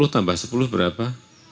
empat puluh tambah sepuluh berapa